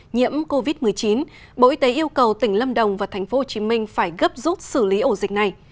nhiễm covid một mươi chín bộ y tế yêu cầu tỉnh lâm đồng và tp hcm phải gấp rút xử lý ổ dịch này